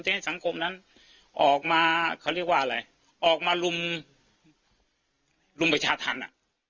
ให้สังคมนั้นออกมาเขาเรียกว่าอะไรออกมาลุมประชาธรรมอ่ะ